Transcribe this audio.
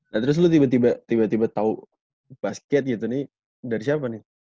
nah terus lo tiba tiba tau basket gitu nih dari siapa nih